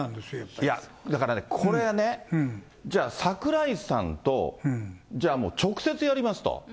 だからね、これがね、じゃあ、櫻井さんと、じゃあもう、直接やりますと。